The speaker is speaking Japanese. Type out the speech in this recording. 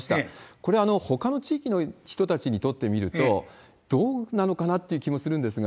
これ、ほかの地域の人たちにとってみると、どうなのかなっていう気もするんですが。